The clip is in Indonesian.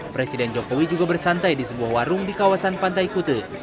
presiden jokowi juga bersantai di sebuah warung di kawasan pantai kute